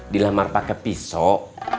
dilamar pake pisau